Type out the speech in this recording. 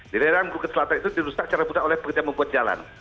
di daerah bukit selatan itu dirusak secara mudah oleh pekerja membuat jalan